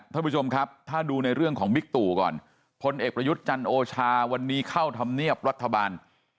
ท่านผู้ชมครับถ้าดูในเรื่องของบิ๊กตู่ก่อนพลเอกประยุทธ์จันโอชาวันนี้เข้าธรรมเนียบรัฐบาล